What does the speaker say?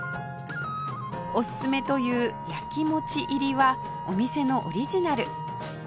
おすすめという焼き餅入りはお店のオリジナル